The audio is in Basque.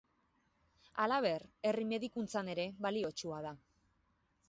Halaber, herri-medikuntzan ere baliotsua da.